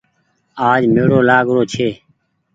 آج ميڙو لآگ رو ڇي۔